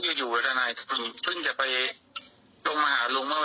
ดูว่าคดีนี้ผมไม่ได้ไปช่วยจริงนะครับ